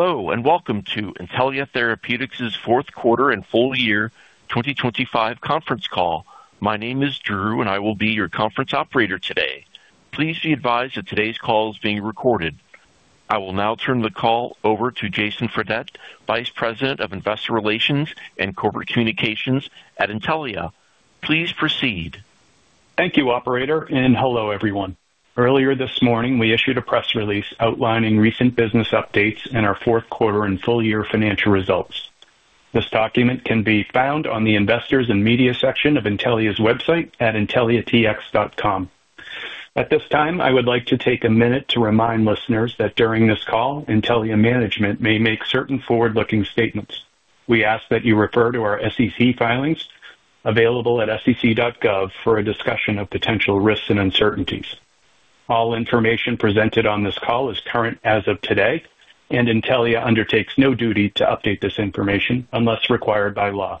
Hello, and welcome to Intellia Therapeutics' fourth quarter and full year 2025 conference call. My name is Drew, and I will be your conference operator today. Please be advised that today's call is being recorded. I will now turn the call over to Jason Fredette, Vice President of Investor Relations and Corporate Communications at Intellia. Please proceed. Thank you, operator. Hello, everyone. Earlier this morning, we issued a press release outlining recent business updates in our fourth quarter and full year financial results. This document can be found on the Investors and Media section of Intellia's website at intelliatx.com. At this time, I would like to take a minute to remind listeners that during this call, Intellia management may make certain forward-looking statements. We ask that you refer to our SEC filings available at sec.gov for a discussion of potential risks and uncertainties. All information presented on this call is current as of today. Intellia undertakes no duty to update this information unless required by law.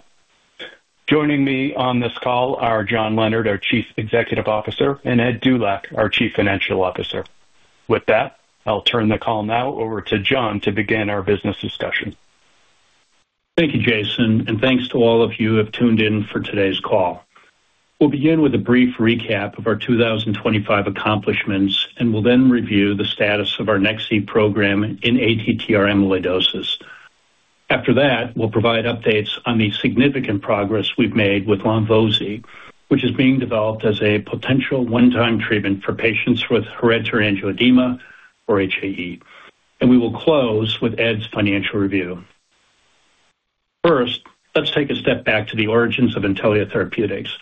Joining me on this call are John Leonard, our Chief Executive Officer, and Ed Dulac, our Chief Financial Officer. With that, I'll turn the call now over to John to begin our business discussion. Thank you, Jason. Thanks to all of you who have tuned in for today's call. We'll begin with a brief recap of our 2025 accomplishments, and we'll then review the status of our Nex-z program in ATTR amyloidosis. After that, we'll provide updates on the significant progress we've made with lonvo-z, which is being developed as a potential one-time treatment for patients with hereditary angioedema, or HAE, and we will close with Ed's financial review. First, let's take a step back to the origins of Intellia Therapeutics.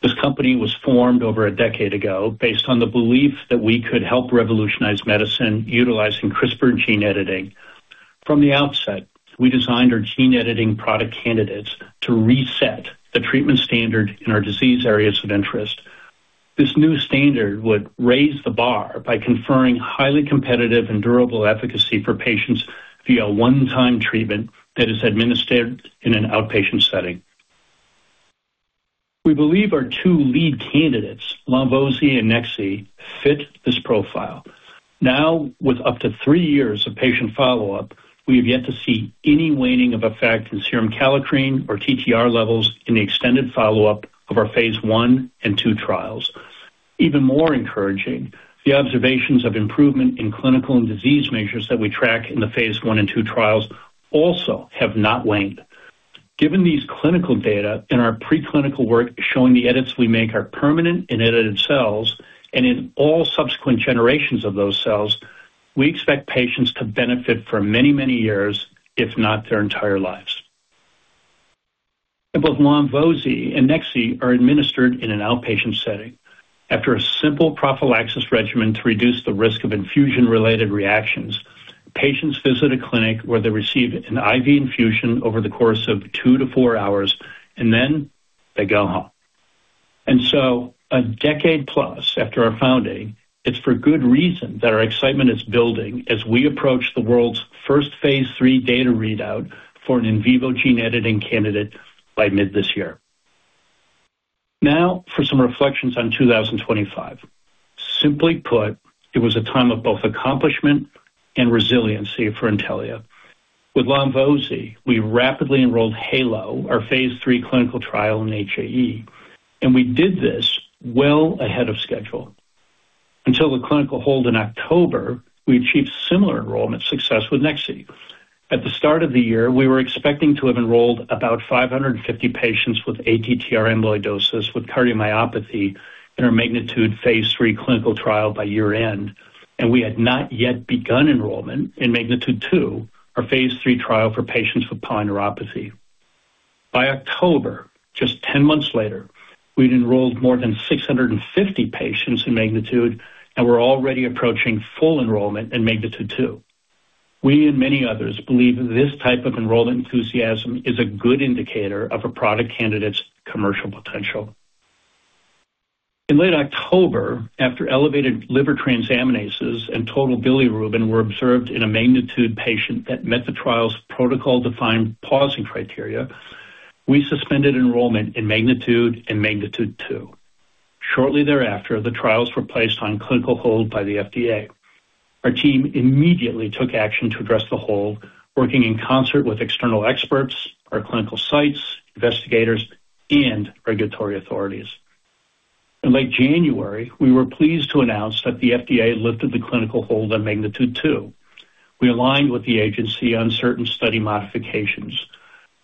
This company was formed over a decade ago based on the belief that we could help revolutionize medicine utilizing CRISPR gene editing. From the outset, we designed our gene editing product candidates to reset the treatment standard in our disease areas of interest. This new standard would raise the bar by conferring highly competitive and durable efficacy for patients via a one-time treatment that is administered in an outpatient setting. We believe our two lead candidates, lonvo-z and Nex-z, fit this profile. With up to three years of patient follow-up, we have yet to see any waning of effect in serum kallikrein or TTR levels in the extended follow-up of our phase 1 and 2 trials. Even more encouraging, the observations of improvement in clinical and disease measures that we track in the phase 1 and 2 trials also have not waned. Given these clinical data and our preclinical work showing the edits we make are permanent in edited cells and in all subsequent generations of those cells, we expect patients to benefit for many, many years, if not their entire lives. and nex-z are administered in an outpatient setting. After a simple prophylaxis regimen to reduce the risk of infusion-related reactions, patients visit a clinic where they receive an IV infusion over the course of two to four hours, and then they go home. A decade plus after our founding, it's for good reason that our excitement is building as we approach the world's first phase 3 data readout for an in vivo gene editing candidate by mid this year. Now for some reflections on 2025. Simply put, it was a time of both accomplishment and resiliency for Intellia. With lonvo-z, we rapidly enrolled HAELO, our phase 3 clinical trial in HAE, and we did this well ahead of schedule. Until the clinical hold in October, we achieved similar enrollment success with nex-z. At the start of the year, we were expecting to have enrolled about 550 patients with ATTR amyloidosis with cardiomyopathy in our MAGNITUDE Phase 3 clinical trial by year-end, and we had not yet begun enrollment in MAGNITUDE-2, our Phase 3 trial for patients with polyneuropathy. By October, just 10 months later, we'd enrolled more than 650 patients in MAGNITUDE, and we're already approaching full enrollment in MAGNITUDE-2. In late October, after elevated liver transaminases and total bilirubin were observed in a MAGNITUDE patient that met the trial's protocol-defined pausing criteria, we suspended enrollment in MAGNITUDE and MAGNITUDE-2. Shortly thereafter, the trials were placed on clinical hold by the FDA. Our team immediately took action to address the hold, working in concert with external experts, our clinical sites, investigators, and regulatory authorities. In late January, we were pleased to announce that the FDA lifted the clinical hold on MAGNITUDE-2. We aligned with the agency on certain study modifications.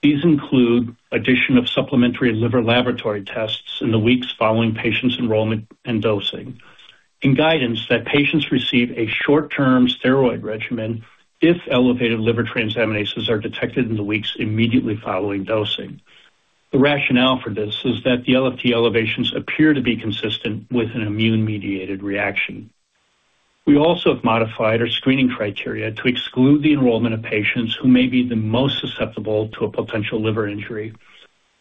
These include addition of supplementary liver laboratory tests in the weeks following patients' enrollment and dosing, and guidance that patients receive a short-term steroid regimen if elevated liver transaminases are detected in the weeks immediately following dosing. The rationale for this is that the LFT elevations appear to be consistent with an immune-mediated reaction. We also have modified our screening criteria to exclude the enrollment of patients who may be the most susceptible to a potential liver injury.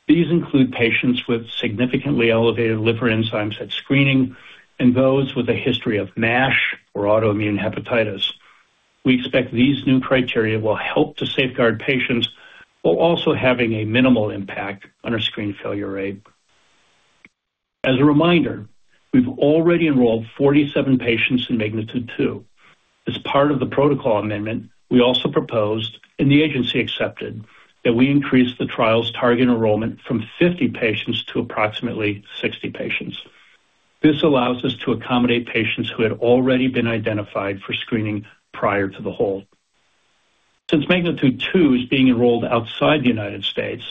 These include patients with significantly elevated liver enzymes at screening and those with a history of MASH or autoimmune hepatitis. We expect these new criteria will help to safeguard patients while also having a minimal impact on our screen failure rate. As a reminder, we've already enrolled 47 patients in MAGNITUDE-2. As part of the protocol amendment, we also proposed, and the agency accepted, that we increase the trial's target enrollment from 50 patients to approximately 60 patients. This allows us to accommodate patients who had already been identified for screening prior to the hold. Since MAGNITUDE-2 is being enrolled outside the U.S.,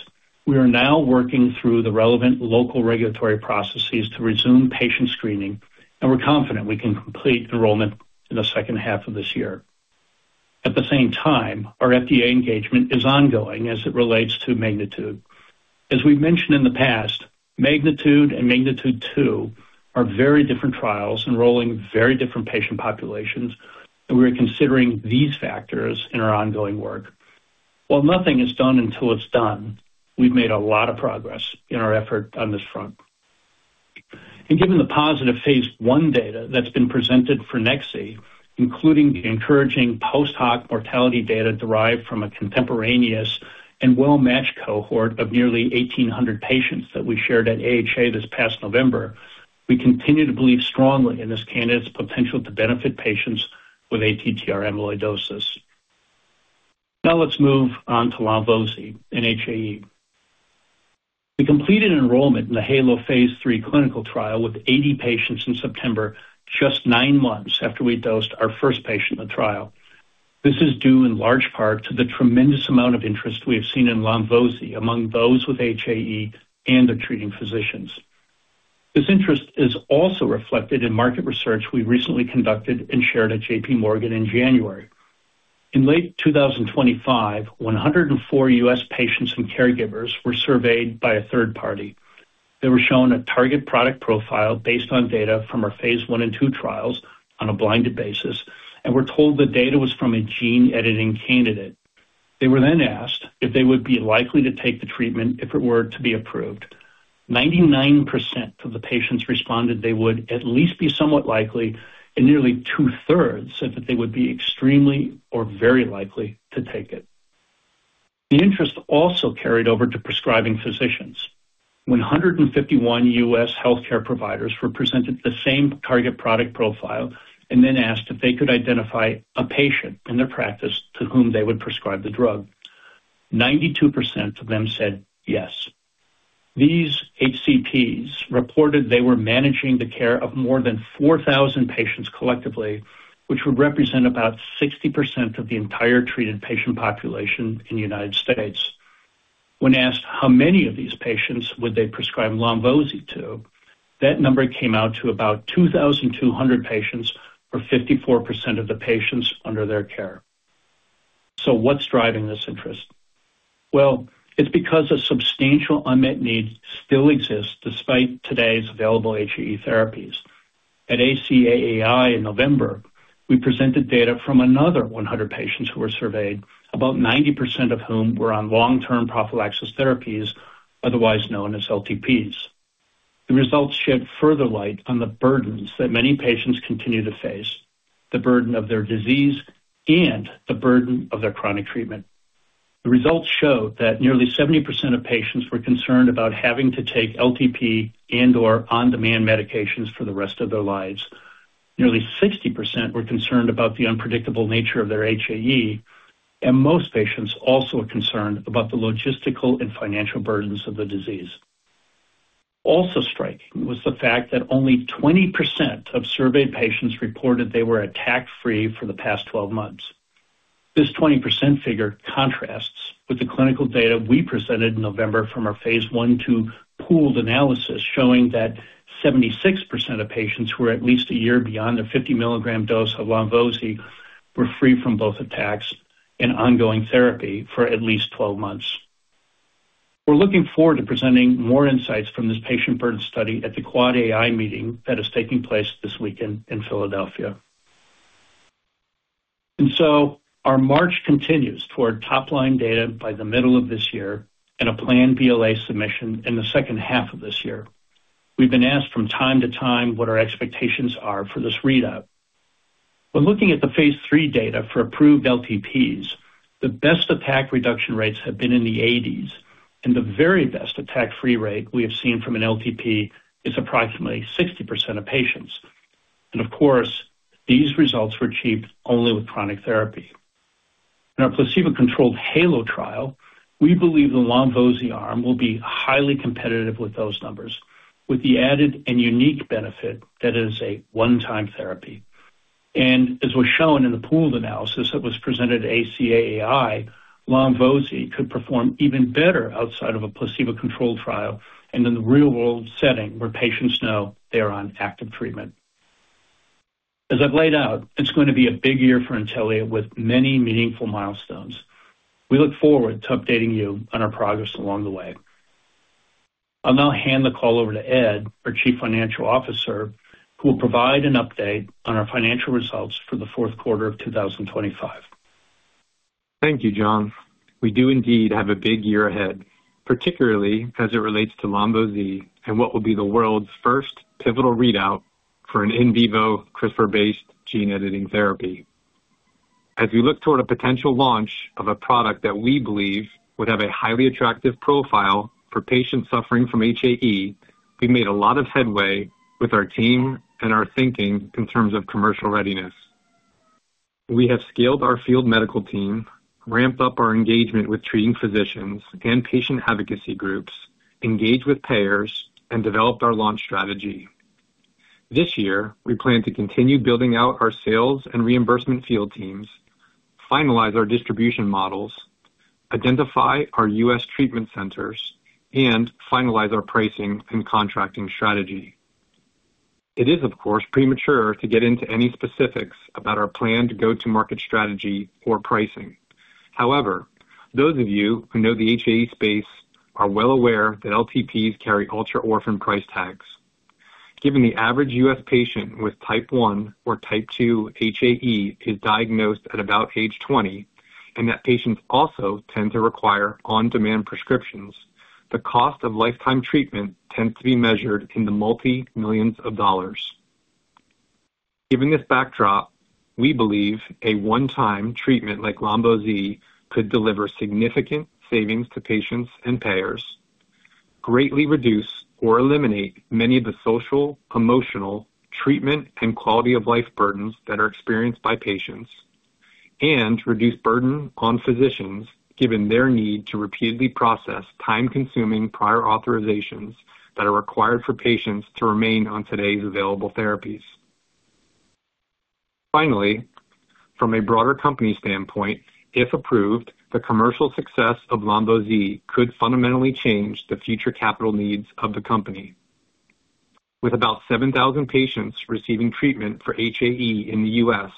we are now working through the relevant local regulatory processes to resume patient screening. We're confident we can complete enrollment in the second half of this year. At the same time, our FDA engagement is ongoing as it relates to MAGNITUDE. As we've mentioned in the past, MAGNITUDE and MAGNITUDE-2 are very different trials, enrolling very different patient populations, we're considering these factors in our ongoing work. While nothing is done until it's done, we've made a lot of progress in our effort on this front. Given the positive phase 1 data that's been presented for nex-z, including the encouraging post-hoc mortality data derived from a contemporaneous and well-matched cohort of nearly 1,800 patients that we shared at AHA this past November, we continue to believe strongly in this candidate's potential to benefit patients with ATTR amyloidosis. Now let's move on to lonvo-z and HAE. We completed enrollment in the HAELO phase 3 clinical trial with 80 patients in September, just nine months after we dosed our first patient in the trial. This is due in large part to the tremendous amount of interest we have seen in lonvo-z among those with HAE and their treating physicians. This interest is also reflected in market research we recently conducted and shared at J.P. Morgan in January. In late 2025, 104 U.S. patients and caregivers were surveyed by a third party. They were shown a target product profile based on data from our phase 1 and 2 trials on a blinded basis, and were told the data was from a gene-editing candidate. They were asked if they would be likely to take the treatment if it were to be approved. 99% of the patients responded they would at least be somewhat likely, and nearly two-thirds said that they would be extremely or very likely to take it. The interest also carried over to prescribing physicians. 151 US healthcare providers were presented the same target product profile and asked if they could identify a patient in their practice to whom they would prescribe the drug. 92% of them said yes. These HCPs reported they were managing the care of more than 4,000 patients collectively, which would represent about 60% of the entire treated patient population in the United States. When asked how many of these patients would they prescribe lonvo-z to, that number came out to about 2,200 patients, or 54% of the patients under their care. What's driving this interest? Well, it's because a substantial unmet need still exists despite today's available HAE therapies. At ACAAI in November, we presented data from another 100 patients who were surveyed, about 90% of whom were on long-term prophylaxis therapies, otherwise known as LTPs. The results shed further light on the burdens that many patients continue to face, the burden of their disease and the burden of their chronic treatment. The results showed that nearly 70% of patients were concerned about having to take LTP and/or on-demand medications for the rest of their lives. Nearly 60% were concerned about the unpredictable nature of their HAE, and most patients also are concerned about the logistical and financial burdens of the disease. Also striking was the fact that only 20% of surveyed patients reported they were attack-free for the past 12 months. This 20% figure contrasts with the clinical data we presented in November from our phase 1 to pooled analysis, showing that 76% of patients who were at least a year beyond a 50-milligram dose of lonvo-z were free from both attacks and ongoing therapy for at least 12 months. We're looking forward to presenting more insights from this patient burden study at the AAAAI meeting that is taking place this weekend in Philadelphia. Our march continues toward top-line data by the middle of this year and a planned BLA submission in the second half of this year. We've been asked from time to time what our expectations are for this readout. When looking at the phase three data for approved LTPs, the best attack reduction rates have been in the eighties, and the very best attack-free rate we have seen from an LTP is approximately 60% of patients. Of course, these results were achieved only with chronic therapy. In our placebo-controlled HAELO trial, we believe the lonvo-z arm will be highly competitive with those numbers, with the added and unique benefit that it is a one-time therapy. As was shown in the pooled analysis that was presented at AAAAI, lonvo-z could perform even better outside of a placebo-controlled trial and in the real-world setting, where patients know they are on active treatment. As I've laid out, it's going to be a big year for Intellia with many meaningful milestones. We look forward to updating you on our progress along the way. I'll now hand the call over to Ed, our Chief Financial Officer, who will provide an update on our financial results for the fourth quarter of 2025. Thank you, John. We do indeed have a big year ahead, particularly as it relates to lonvo-z and what will be the world's first pivotal readout for an in vivo CRISPR-based gene-editing therapy. As we look toward a potential launch of a product that we believe would have a highly attractive profile for patients suffering from HAE, we've made a lot of headway with our team and our thinking in terms of commercial readiness. We have scaled our field medical team, ramped up our engagement with treating physicians and patient advocacy groups, engaged with payers, and developed our launch strategy. This year, we plan to continue building out our sales and reimbursement field teams, finalize our distribution models, identify our U.S. treatment centers, and finalize our pricing and contracting strategy. It is, of course, premature to get into any specifics about our plan to go-to-market strategy or pricing. However, those of you who know the HAE space are well aware that LTPs carry ultra-orphan price tags. Given the average U.S. patient with Type 1 or Type 2 HAE is diagnosed at about age 20, and that patients also tend to require on-demand prescriptions, the cost of lifetime treatment tends to be measured in the $multi-millions. Given this backdrop, we believe a one-time treatment like lonvo-z could deliver significant savings to patients and payers, greatly reduce or eliminate many of the social, emotional, treatment, and quality of life burdens that are experienced by patients, and reduce burden on physicians, given their need to repeatedly process time-consuming prior authorizations that are required for patients to remain on today's available therapies. From a broader company standpoint, if approved, the commercial success of lonvo-z could fundamentally change the future capital needs of the company. With about 7,000 patients receiving treatment for HAE in the U.S.,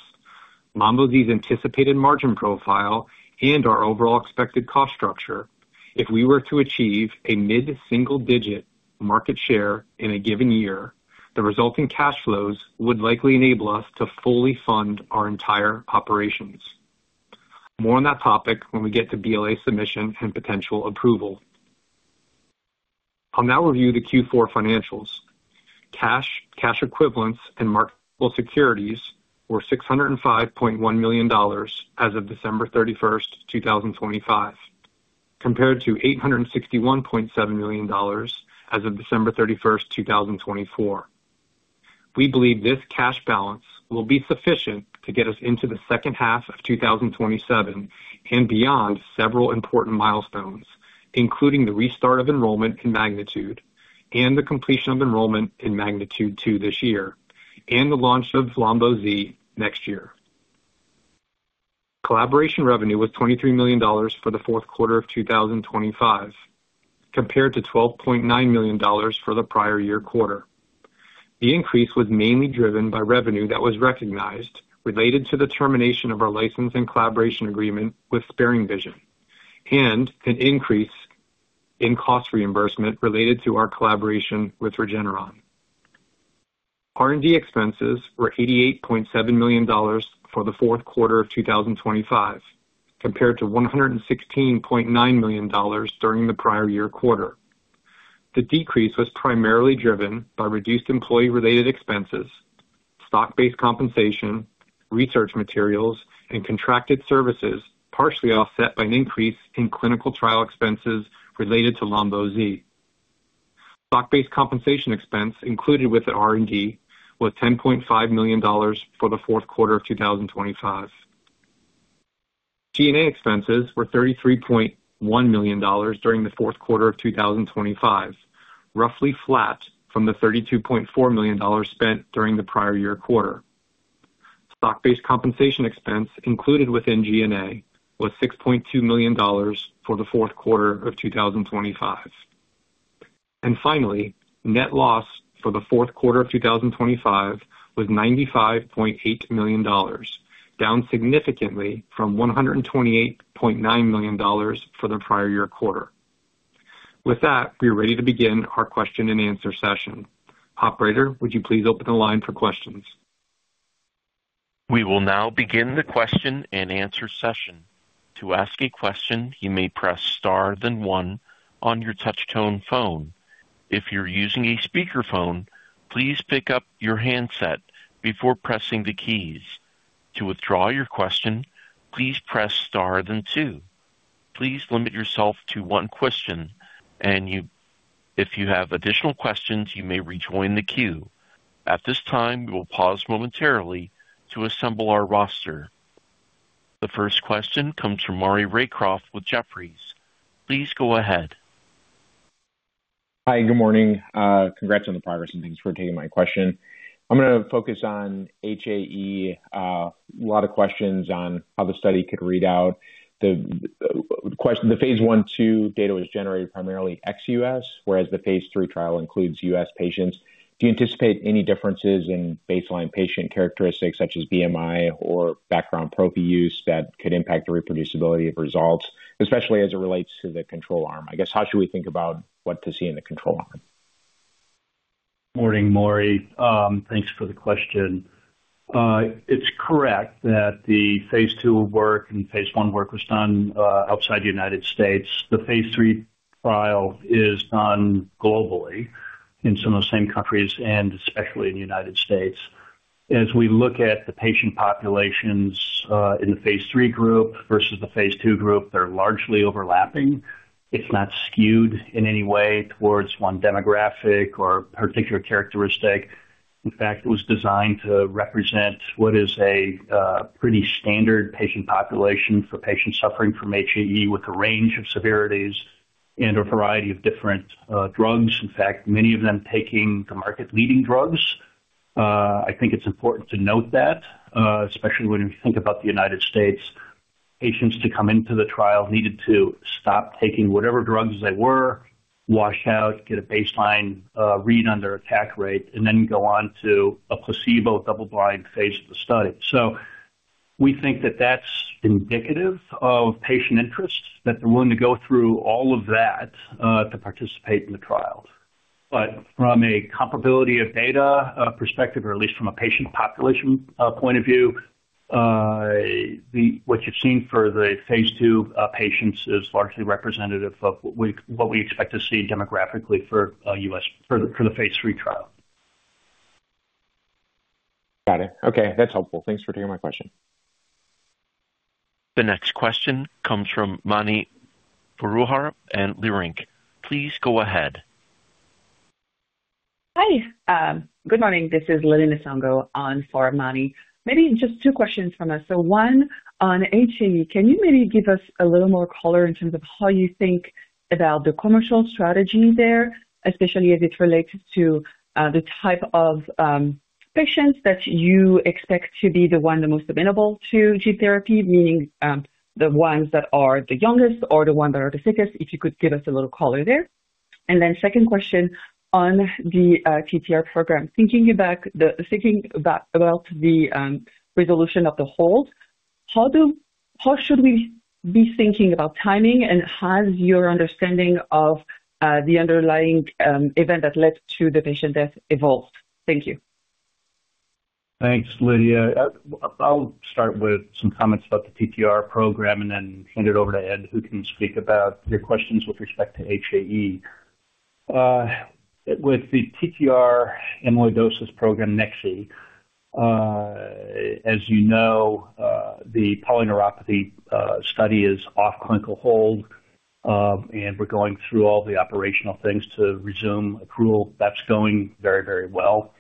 lonvo-z's anticipated margin profile and our overall expected cost structure, if we were to achieve a mid-single digit market share in a given year, the resulting cash flows would likely enable us to fully fund our entire operations. More on that topic when we get to BLA submission and potential approval. I'll now review the Q4 financials. Cash, cash equivalents, and marketable securities were $605.1 million as of December 31, 2025, compared to $861.7 million as of December 31, 2024. We believe this cash balance will be sufficient to get us into the second half of 2027 and beyond several important milestones, including the restart of enrollment in MAGNITUDE and the completion of enrollment in MAGNITUDE-2 this year and the launch of lonvo-z next year. Collaboration revenue was $23 million for the fourth quarter of 2025, compared to $12.9 million for the prior year quarter. The increase was mainly driven by revenue that was recognized related to the termination of our license and collaboration agreement with SparingVision and an increase in cost reimbursement related to our collaboration with Regeneron. R&D expenses were $88.7 million for the fourth quarter of 2025, compared to $116.9 million during the prior year quarter. The decrease was primarily driven by reduced employee-related expenses, stock-based compensation, research materials, and contracted services, partially offset by an increase in clinical trial expenses related to lonvo-z. Stock-based compensation expense included with the R&D was $10.5 million for the fourth quarter of 2025. G&A expenses were $33.1 million during the fourth quarter of 2025, roughly flat from the $32.4 million spent during the prior-year quarter. Stock-based compensation expense included within G&A was $6.2 million for the fourth quarter of 2025. Finally, net loss for the fourth quarter of 2025 was $95.8 million, down significantly from $128.9 million for the prior-year quarter. With that, we are ready to begin our question-and-answer session. Operator, would you please open the line for questions? We will now begin the question-and-answer session. To ask a question, you may press star, then 1 on your touchtone phone. If you're using a speakerphone, please pick up your handset before pressing the keys. To withdraw your question, please press star then 2. Please limit yourself to 1 question, if you have additional questions, you may rejoin the queue. At this time, we will pause momentarily to assemble our roster. The first question comes from Maury Raycroft with Jefferies. Please go ahead. Hi, good morning. Congrats on the progress, thanks for taking my question. I'm going to focus on HAE. A lot of questions on how the study could read out. The phase 1/2 data was generated primarily ex-U.S., whereas the phase 3 trial includes U.S. patients. Do you anticipate any differences in baseline patient characteristics, such as BMI or background prophy use, that could impact the reproducibility of results, especially as it relates to the control arm? I guess, how should we think about what to see in the control arm? Morning, Maury. thanks for the question. it's correct that the phase two work and phase one work was done, outside the United States. The phase three trial is done globally.... in some of those same countries, especially in the United States. As we look at the patient populations, in the phase 3 group versus the phase 2 group, they're largely overlapping. It's not skewed in any way towards one demographic or particular characteristic. In fact, it was designed to represent what is a pretty standard patient population for patients suffering from HAE, with a range of severities and a variety of different drugs. In fact, many of them taking the market-leading drugs. I think it's important to note that, especially when you think about the United States, patients to come into the trial needed to stop taking whatever drugs they were, wash out, get a baseline, read on their attack rate, and then go on to a placebo double-blind phase of the study. We think that that's indicative of patient interest, that they're willing to go through all of that, to participate in the trial. From a comparability of data, perspective, or at least from a patient population, point of view, what you're seeing for the phase 2 patients is largely representative of what we expect to see demographically for U.S., for the phase 3 trial. Got it. Okay, that's helpful. Thanks for taking my question. The next question comes from Mani Foroohar and Leerink Partners. Please go ahead. Hi. Good morning. This is Lidiya Rizova on for Manny. Maybe just 2 questions from us. One, on HAE, can you maybe give us a little more color in terms of how you think about the commercial strategy there, especially as it relates to the type of patients that you expect to be the most amenable to gene therapy, meaning, the ones that are the youngest or the ones that are the sickest? If you could give us a little color there. 2nd question on the TTR program. Thinking back about the resolution of the hold, how should we be thinking about timing, and has your understanding of the underlying event that led to the patient death evolved? Thank you. Thanks, Lydia. I'll start with some comments about the TTR program and then hand it over to Ed, who can speak about your questions with respect to HAE. With the PTR amyloidosis program, NTLA-2001, as you know, the polyneuropathy study is off clinical hold, and we're going through all the operational things to resume accrual. That's going very, very well.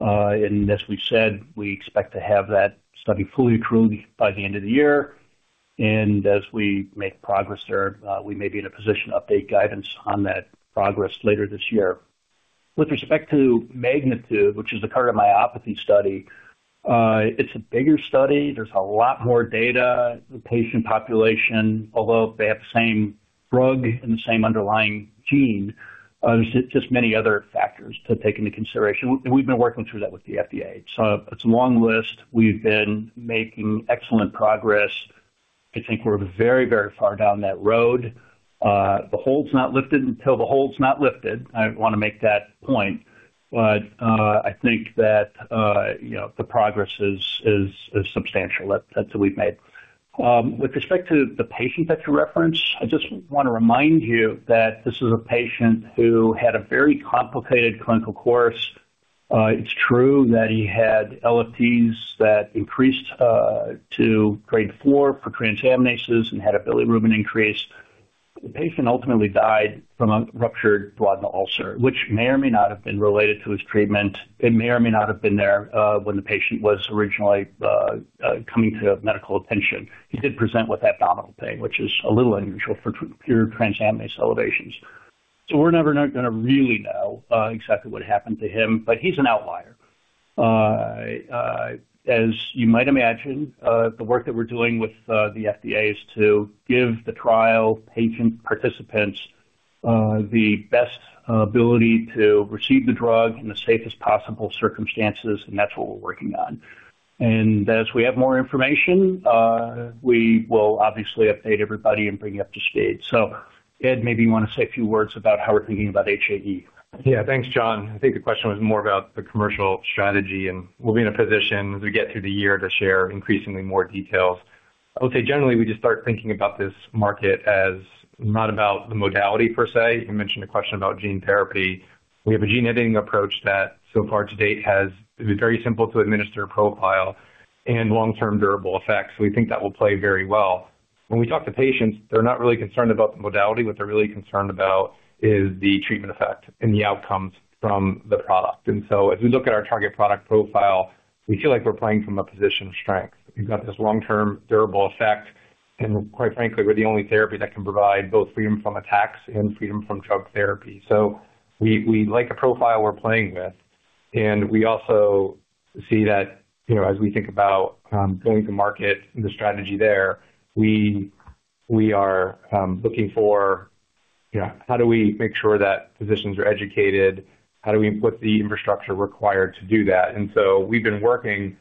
And as we've said, we expect to have that study fully accrued by the end of the year, and as we make progress there, we may be in a position to update guidance on that progress later this year. With respect to MAGNITUDE, which is the cardiomyopathy study, it's a bigger study. There's a lot more data. The patient population, although they have the same drug and the same underlying gene, there's just many other factors to take into consideration, and we've been working through that with the FDA. It's a long list. We've been making excellent progress. I think we're very, very far down that road. The hold's not lifted until the hold's not lifted. I want to make that point, but I think that, you know, the progress is substantial, that we've made. With respect to the patient that you referenced, I just want to remind you that this is a patient who had a very complicated clinical course. It's true that he had LFTs that increased to Grade 4 for transaminases and had a bilirubin increase. The patient ultimately died from a ruptured duodenal ulcer, which may or may not have been related to his treatment. It may or may not have been there, when the patient was originally coming to medical attention. He did present with abdominal pain, which is a little unusual for pure transaminase elevations. We're never gonna really know exactly what happened to him, but he's an outlier. As you might imagine, the work that we're doing with the FDA is to give the trial patient participants the best ability to receive the drug in the safest possible circumstances, and that's what we're working on. As we have more information, we will obviously update everybody and bring you up to speed. Ed, maybe you want to say a few words about how we're thinking about HAE. Yeah. Thanks, John. I think the question was more about the commercial strategy, and we'll be in a position, as we get through the year, to share increasingly more details. I would say, generally, we just start thinking about this market as not about the modality per se. You mentioned a question about gene therapy. We have a gene editing approach that so far to date has a very simple to administer profile and long-term durable effects. We think that will play very well. When we talk to patients, they're not really concerned about the modality. What they're really concerned about is the treatment effect and the outcomes from the product. As we look at our target product profile, we feel like we're playing from a position of strength. We've got this long-term durable effect. Quite frankly, we're the only therapy that can provide both freedom from attacks and freedom from drug therapy. We like the profile we're playing with, and we also see that, you know, as we think about going to market and the strategy there, we are looking for, you know, how do we make sure that physicians are educated? How do we input the infrastructure required to do that? We've been working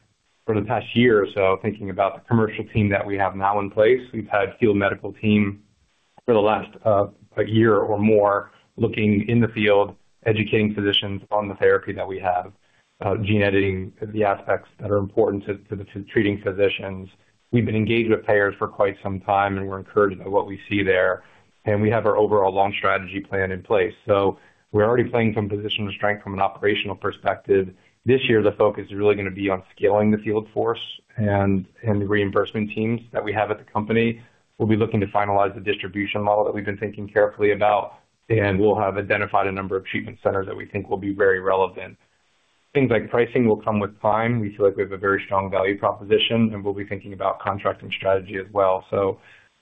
for the past year or so, thinking about the commercial team that we have now in place. We've had field medical team for the last year or more, looking in the field, educating physicians on the therapy that we have, gene editing, the aspects that are important to the treating physicians. We've been engaged with payers for quite some time. We're encouraged by what we see there. We have our overall long strategy plan in place. We're already playing from a position of strength from an operational perspective. This year, the focus is really gonna be on scaling the field force and the reimbursement teams that we have at the company. We'll be looking to finalize the distribution model that we've been thinking carefully about, and we'll have identified a number of treatment centers that we think will be very relevant. Things like pricing will come with time. We feel like we have a very strong value proposition, and we'll be thinking about contracting strategy as well.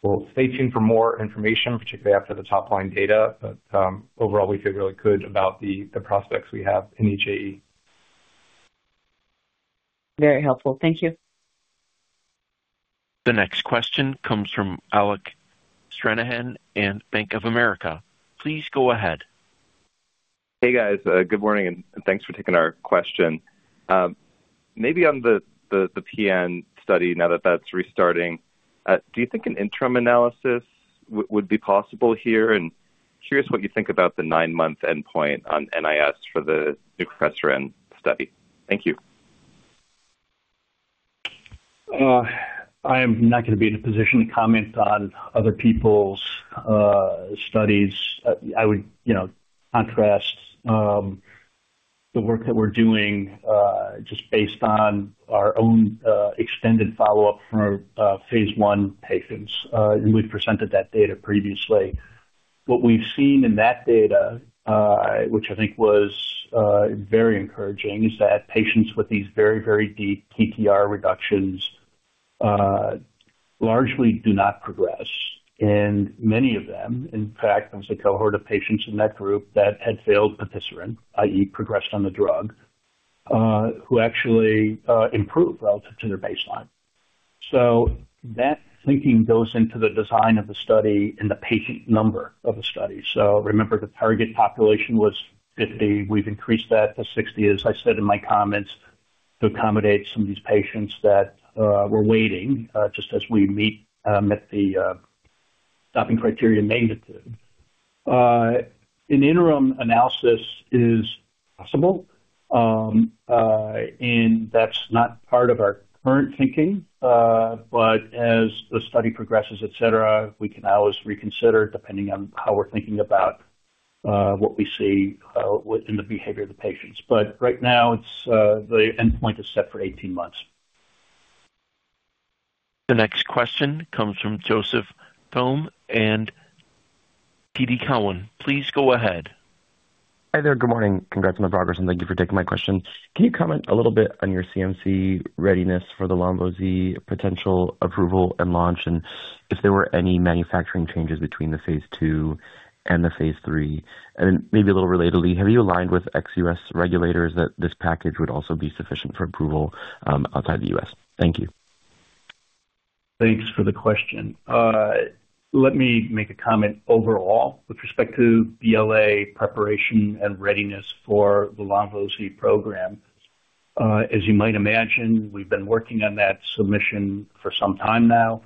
We'll stay tuned for more information, particularly after the top line data. Overall, we feel really good about the prospects we have in HAE. Very helpful. Thank you. The next question comes from Alec Stranahan in Bank of America Securities. Please go ahead. Hey, guys. Good morning, thanks for taking our question. Maybe on the PN study, now that that's restarting, do you think an interim analysis would be possible here? Curious what you think about the nine-month endpoint on NIS for the new Eplontersen study. Thank you. I'm not gonna be in a position to comment on other people's studies. I would, you know, contrast the work that we're doing just based on our own extended follow-up from our phase 1 patients, and we've presented that data previously. What we've seen in that data, which I think was very encouraging, is that patients with these very, very deep PTR reductions largely do not progress, and many of them, in fact, there's a cohort of patients in that group that had failed patisiran, i.e., progressed on the drug, who actually improved relative to their baseline. That thinking goes into the design of the study and the patient number of the study. Remember, the target population was 50. We've increased that to 60, as I said in my comments, to accommodate some of these patients that were waiting, just as we meet, at the stopping criteria negative. An interim analysis is possible, and that's not part of our current thinking, but as the study progresses, et cetera, we can always reconsider, depending on how we're thinking about what we see within the behavior of the patients. Right now, it's the endpoint is set for 18 months. The next question comes from Joseph Thome and TD Cowen. Please go ahead. Hi there. Good morning. Congrats on the progress, and thank you for taking my question. Can you comment a little bit on your CMC readiness for the lonvo-z potential approval and launch, and if there were any manufacturing changes between the phase 2 and the phase 3? Maybe a little relatedly, have you aligned with ex US regulators that this package would also be sufficient for approval outside the US? Thank you. Thanks for the question. Let me make a comment overall with respect to BLA preparation and readiness for the lonvo-z program. As you might imagine, we've been working on that submission for some time now.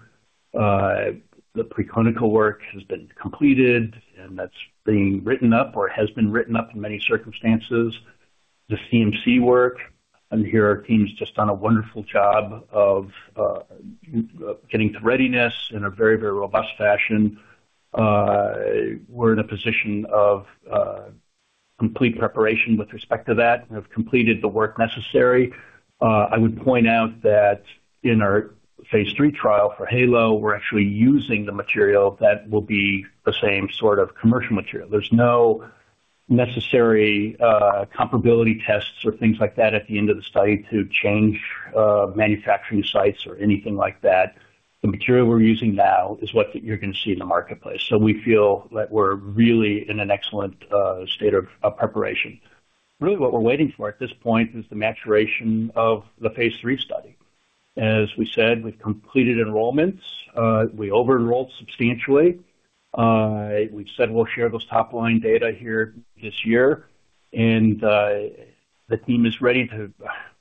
The preclinical work has been completed, and that's being written up or has been written up in many circumstances. The CMC work, and here our team's just done a wonderful job of getting to readiness in a very, very robust fashion. We're in a position of complete preparation with respect to that and have completed the work necessary. I would point out that in our phase three trial for HAELO, we're actually using the material that will be the same sort of commercial material. There's no necessary comparability tests or things like that at the end of the study to change manufacturing sites or anything like that. The material we're using now is what you're gonna see in the marketplace. We feel that we're really in an excellent state of preparation. Really, what we're waiting for at this point is the maturation of the phase 3 study. As we said, we've completed enrollments. We over-enrolled substantially. We've said we'll share those top-line data here this year, and the team is ready to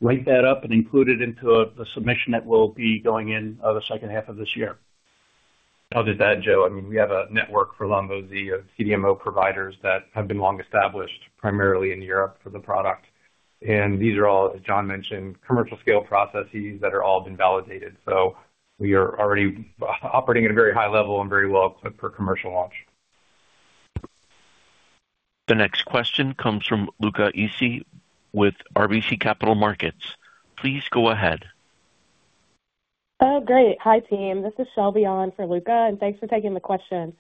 write that up and include it into the submission that will be going in the second half of this year. I'll do that, Joe. I mean, we have a network for lonvo-z CDMO providers that have been long established, primarily in Europe, for the product. These are all, as John mentioned, commercial scale processes that are all been validated. We are already operating at a very high level and very well equipped for commercial launch. The next question comes from Luca Issi with RBC Capital Markets. Please go ahead. Oh, great. Hi, team. This is Shelby on for Luca, and thanks for taking the question.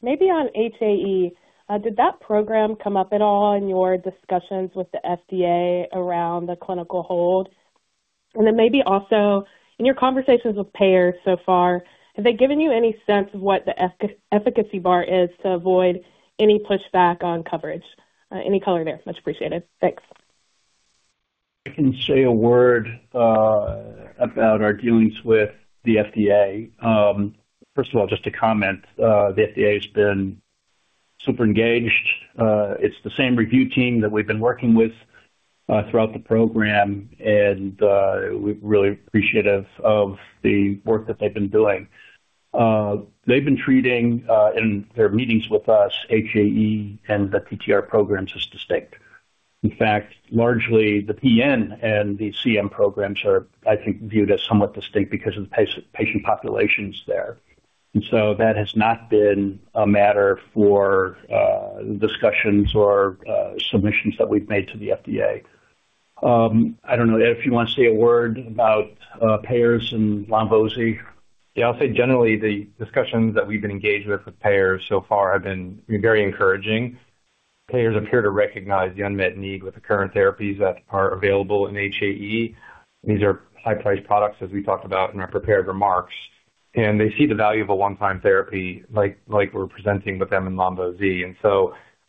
Maybe on HAE, did that program come up at all in your discussions with the FDA around the clinical hold? Then maybe also, in your conversations with payers so far, have they given you any sense of what the efficacy bar is to avoid any pushback on coverage? Any color there, much appreciated. Thanks. I can say a word about our dealings with the FDA. First of all, just to comment, the FDA has been super engaged. It's the same review team that we've been working with throughout the program, we're really appreciative of the work that they've been doing. They've been treating in their meetings with us, HAE and the PTR programs as distinct. In fact, largely the PN and the CM programs are, I think, viewed as somewhat distinct because of the patient populations there. That has not been a matter for discussions or submissions that we've made to the FDA. I don't know if you want to say a word about payers and lonvo-z. Yeah, I'll say generally, the discussions that we've been engaged with payers so far have been very encouraging. Payers appear to recognize the unmet need with the current therapies that are available in HAE. These are high-priced products, as we talked about in our prepared remarks, and they see the value of a one-time therapy like we're presenting with them in lonvo-z.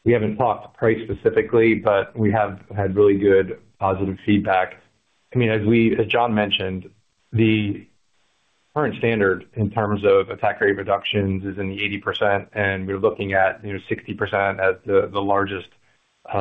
We haven't talked price specifically, but we have had really good positive feedback. I mean, as we, as John mentioned, the current standard in terms of attack rate reductions is in the 80%, and we're looking at, you know, 60% as the largest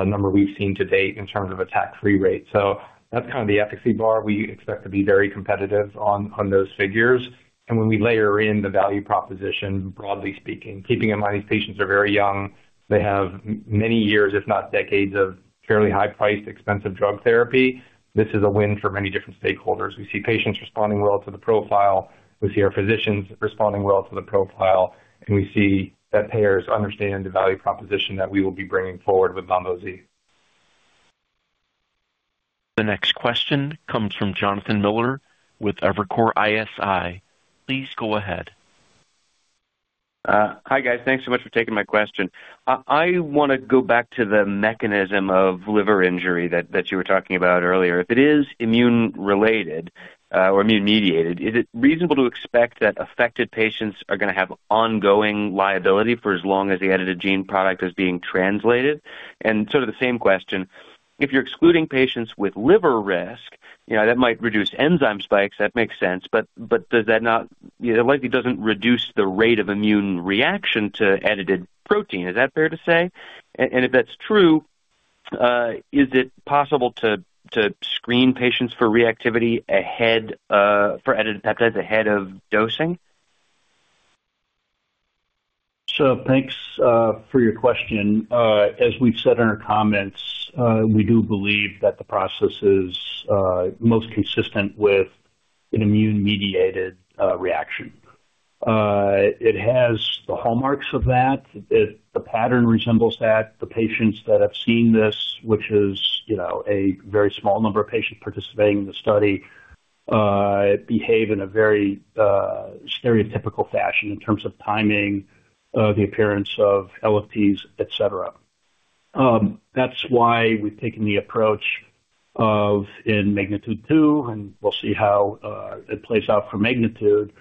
number we've seen to date in terms of attack-free rate. That's kind of the efficacy bar. We expect to be very competitive on those figures. When we layer in the value proposition, broadly speaking, keeping in mind these patients are very young, they have many years, if not decades, of fairly high-priced, expensive drug therapy. This is a win for many different stakeholders. We see patients responding well to the profile. We see our physicians responding well to the profile, and we see that payers understand the value proposition that we will be bringing forward with lonvo-z. The next question comes from Jonathan Miller with Evercore ISI. Please go ahead. Hi, guys. Thanks so much for taking my question. I want to go back to the mechanism of liver injury that you were talking about earlier. If it is immune-related or immune-mediated, is it reasonable to expect that affected patients are going to have ongoing liability for as long as the edited gene product is being translated? Sort of the same question, if you're excluding patients with liver risk, you know, that might reduce enzyme spikes, that makes sense. It likely doesn't reduce the rate of immune reaction to edited protein. Is that fair to say? If that's true, is it possible to screen patients for reactivity ahead for edited peptides ahead of dosing? Thanks for your question. As we've said in our comments, we do believe that the process is most consistent with an immune-mediated reaction. It has the hallmarks of that. The pattern resembles that. The patients that have seen this, which is, you know, a very small number of patients participating in the study, behave in a very stereotypical fashion in terms of timing, the appearance of LFTs, et cetera. That's why we've taken the approach of, in MAGNITUDE-2, and we'll see how it plays out for MAGNITUDE,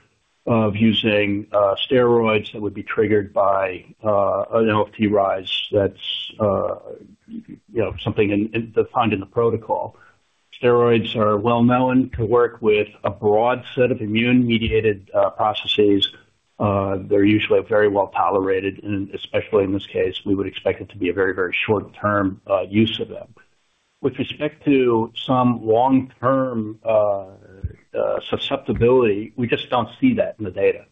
of using steroids that would be triggered by an LFT rise that's, you know, something in, defined in the protocol. Steroids are well known to work with a broad set of immune-mediated processes. They're usually very well tolerated, and especially in this case, we would expect it to be a very, very short-term use of them. With respect to some long-term susceptibility, we just don't see that in the data.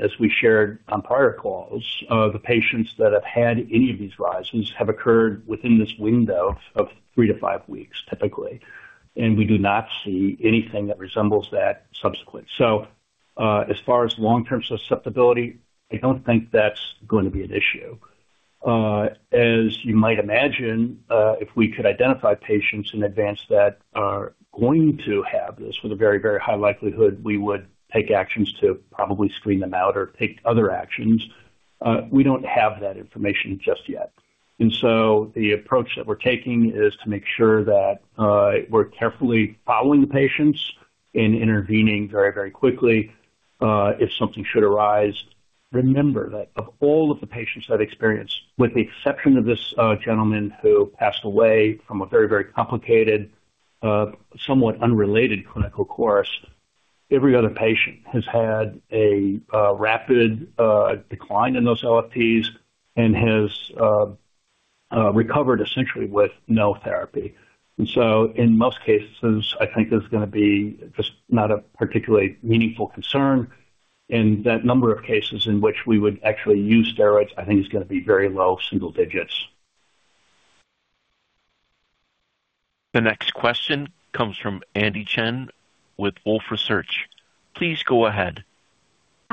As we shared on prior calls, the patients that have had any of these rises have occurred within this window of three to five weeks, typically, and we do not see anything that resembles that subsequent. As far as long-term susceptibility, I don't think that's going to be an issue. As you might imagine, if we could identify patients in advance that are going to have this with a very, very high likelihood, we would take actions to probably screen them out or take other actions. We don't have that information just yet. The approach that we're taking is to make sure that we're carefully following the patients and intervening very, very quickly if something should arise. Remember that of all of the patients that experienced, with the exception of this gentleman who passed away from a very, very complicated, somewhat unrelated clinical course, every other patient has had a rapid decline in those LFTs and has recovered essentially with no therapy. In most cases, I think there's going to be just not a particularly meaningful concern in that number of cases in which we would actually use steroids, I think is going to be very low, single digits. The next question comes from Andy Chen with Wolfe Research. Please go ahead.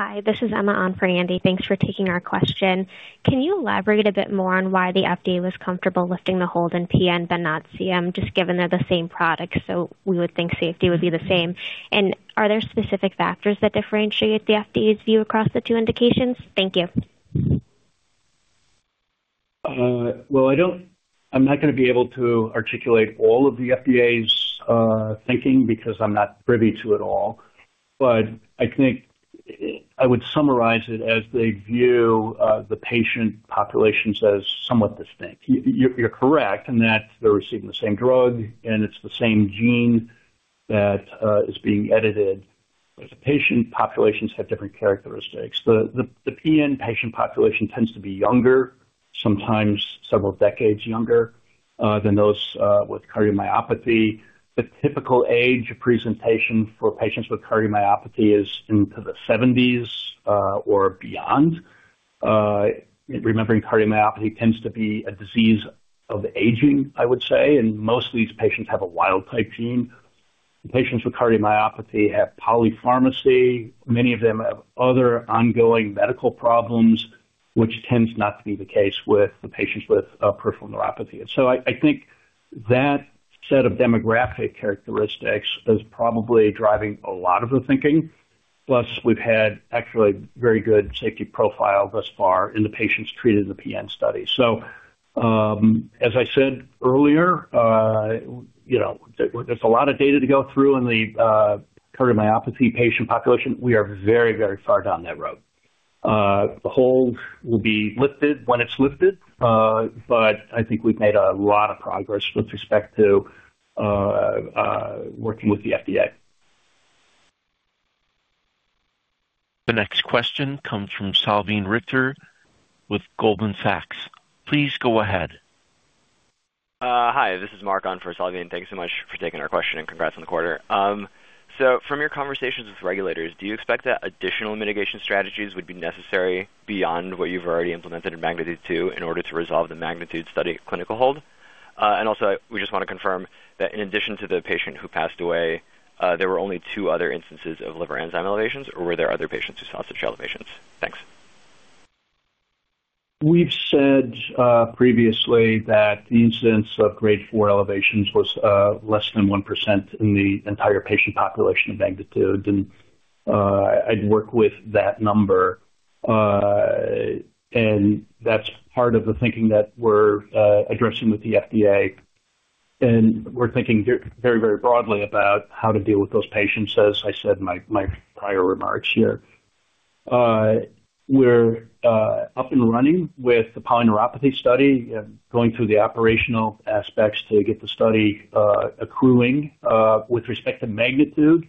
Hi, this is Emma on for Andy. Thanks for taking our question. Can you elaborate a bit more on why the FDA was comfortable lifting the hold in PN but not CM, just given they're the same product, so we would think safety would be the same? Are there specific factors that differentiate the FDA's view across the two indications? Thank you. Well, I'm not going to be able to articulate all of the FDA's thinking because I'm not privy to it all, but I think I would summarize it as they view the patient populations as somewhat distinct. You, you're correct in that they're receiving the same drug and it's the same gene that is being edited, but the patient populations have different characteristics. The PN patient population tends to be younger, sometimes several decades younger than those with cardiomyopathy. The typical age of presentation for patients with cardiomyopathy is into the seventies or beyond.... Remembering cardiomyopathy tends to be a disease of aging, I would say, and most of these patients have a wild-type gene. The patients with cardiomyopathy have polypharmacy. Many of them have other ongoing medical problems, which tends not to be the case with the patients with peripheral neuropathy. I think that set of demographic characteristics is probably driving a lot of the thinking. Plus, we've had actually very good safety profile thus far in the patients treated in the PN study. As I said earlier, you know, there's a lot of data to go through in the cardiomyopathy patient population. We are very, very far down that road. The hold will be lifted when it's lifted, but I think we've made a lot of progress with respect to working with the FDA. The next question comes from Salveen Richter with Goldman Sachs. Please go ahead. Hi, this is Mark on for Salveen. Thank you so much for taking our question, and congrats on the quarter. From your conversations with regulators, do you expect that additional mitigation strategies would be necessary beyond what you've already implemented in MAGNITUDE-2 in order to resolve the MAGNITUDE study clinical hold? Also, we just wanna confirm that in addition to the patient who passed away, there were only two other instances of liver enzyme elevations, or were there other patients who saw such elevations? Thanks. We've said previously that the incidence of Grade 4 elevations was less than 1% in the entire patient population of MAGNITUDE, I'd work with that number. That's part of the thinking that we're addressing with the FDA, we're thinking very, very broadly about how to deal with those patients, as I said in my prior remarks here. We're up and running with the polyneuropathy study going through the operational aspects to get the study accruing. With respect to MAGNITUDE,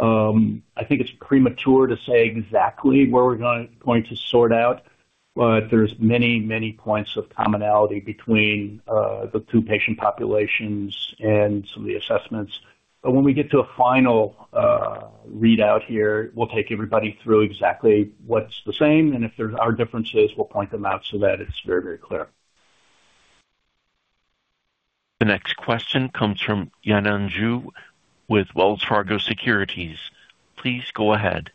I think it's premature to say exactly where we're going to sort out, there's many, many points of commonality between the two patient populations and some of the assessments. When we get to a final readout here, we'll take everybody through exactly what's the same, and if there are differences, we'll point them out so that it's very, very clear. The next question comes from Yanan Zhu with Wells Fargo Securities. Please go ahead.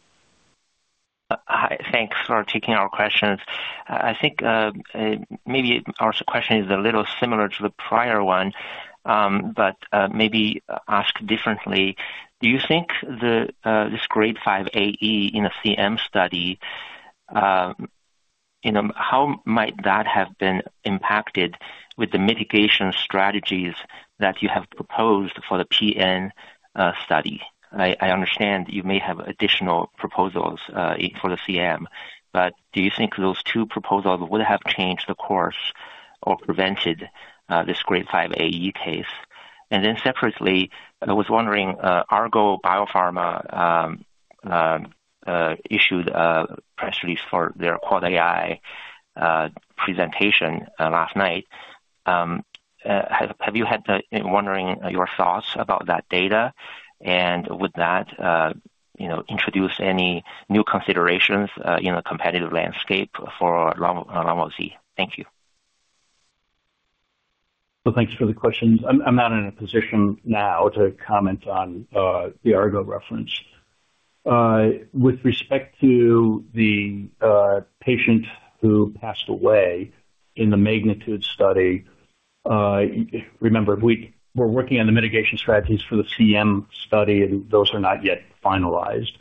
Hi. Thanks for taking our questions. I think maybe our question is a little similar to the prior one, maybe asked differently. Do you think this Grade 5 AE in a CM study, you know, how might that have been impacted with the mitigation strategies that you have proposed for the PN study? I understand you may have additional proposals for the CM, do you think those two proposals would have changed the course or prevented this Grade 5 AE case? Separately, I was wondering, Argo Biopharma issued a press release for their AAAAI presentation last night. I'm wondering your thoughts about that data, would that, you know, introduce any new considerations in a competitive landscape for ramucirumab? Thank you. Well, thanks for the questions. I'm not in a position now to comment on the Argo reference. With respect to the patient who passed away in the MAGNITUDE study, remember, we were working on the mitigation strategies for the CM study, and those are not yet finalized.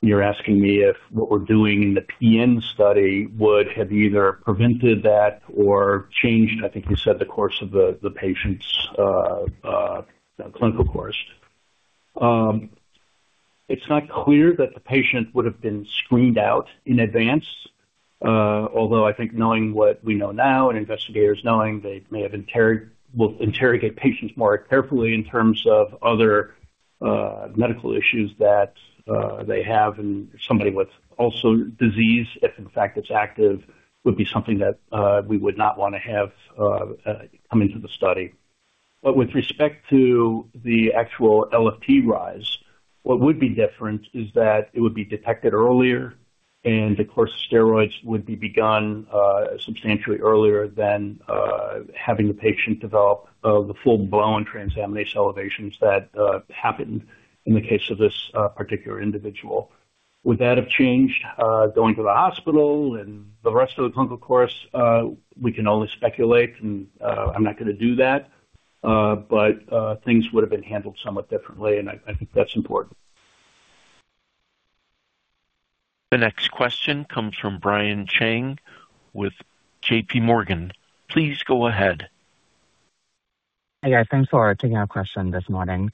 You're asking me if what we're doing in the PN study would have either prevented that or changed, I think you said, the course of the patient's clinical course. It's not clear that the patient would have been screened out in advance, although I think knowing what we know now and investigators knowing, they may have will interrogate patients more carefully in terms of other medical issues that they have and somebody with also disease, if in fact it's active, would be something that we would not want to have come into the study. With respect to the actual LFT rise, what would be different is that it would be detected earlier, and the course of steroids would be begun, substantially earlier than having the patient develop the full-blown transaminase elevations that happened in the case of this particular individual. Would that have changed going to the hospital and the rest of the clinical course? We can only speculate, and I'm not gonna do that. Things would have been handled somewhat differently, and I think that's important. The next question comes from Brian Cheng with J.P. Morgan. Please go ahead. Hey, guys. Thanks for taking our question this morning.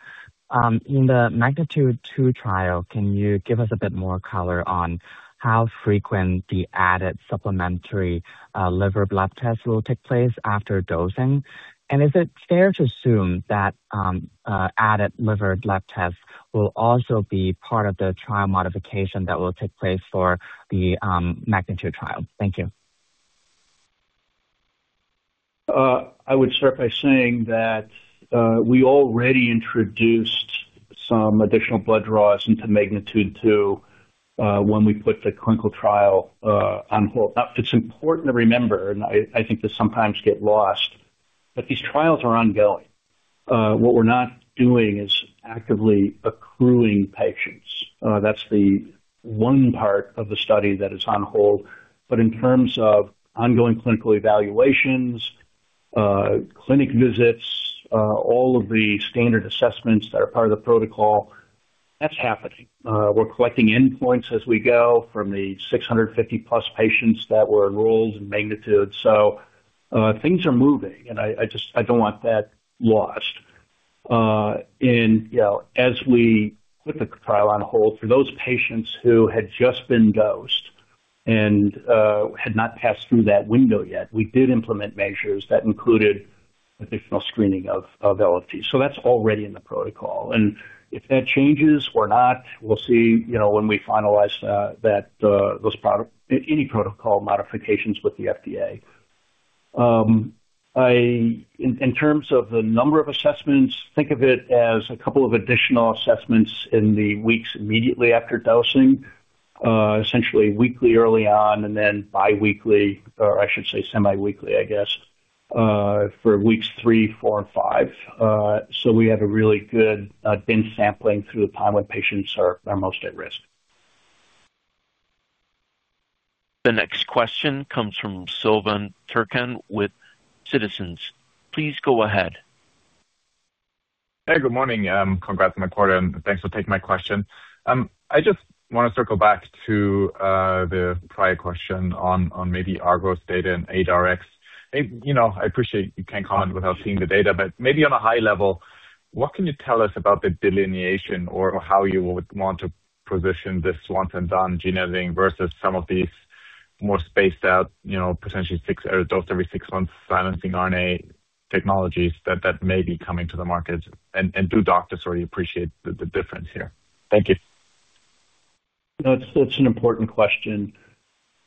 In the MAGNITUDE-2 trial, can you give us a bit more color on how frequent the added supplementary, liver blood test will take place after dosing? Is it fair to assume that, added liver blood test will also be part of the trial modification that will take place for the, MAGNITUDE trial? Thank you.... I would start by saying that we already introduced some additional blood draws into MAGNITUDE-2 when we put the clinical trial on hold. It's important to remember, and I think this sometimes get lost, that these trials are ongoing. What we're not doing is actively accruing patients. That's the one part of the study that is on hold. In terms of ongoing clinical evaluations, clinic visits, all of the standard assessments that are part of the protocol, that's happening. We're collecting endpoints as we go from the 650+ patients that were enrolled in MAGNITUDE. Things are moving, and I just, I don't want that lost. You know, as we put the trial on hold, for those patients who had just been dosed and had not passed through that window yet, we did implement measures that included additional screening of LFT. That's already in the protocol. If that changes or not, we'll see, you know, when we finalize that any protocol modifications with the FDA. I, in terms of the number of assessments, think of it as a couple of additional assessments in the weeks immediately after dosing. Essentially weekly early on, and then biweekly, or I should say semiweekly, I guess, for weeks three, four, and five. We have a really good bin sampling through the time when patients are most at risk. The next question comes from Silvan Tuerkcan with Citizens. Please go ahead. Hey, good morning. Congrats on the quarter, and thanks for taking my question. I just wanna circle back to the prior question on maybe Argos data and ADARx. You know, I appreciate you can't comment without seeing the data, but maybe on a high level, what can you tell us about the delineation or how you would want to position this once and done gene editing versus some of these more spaced out, you know, potentially 6, or dosed every 6 months, silencing RNA technologies that may be coming to the market? Do doctors already appreciate the difference here? Thank you. That's an important question,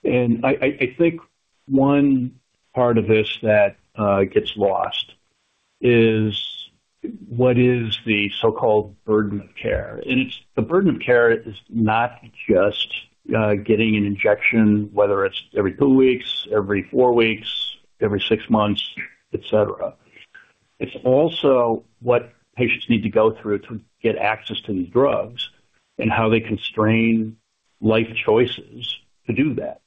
and I think one part of this that gets lost is what is the so-called burden of care? The burden of care is not just getting an injection, whether it's every 2 weeks, every 4 weeks, every 6 months, et cetera. It's also what patients need to go through to get access to these drugs and how they constrain life choices to do that.